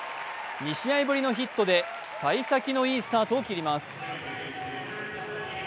２試合ぶりのヒットでさい先のいいスタートを切ります。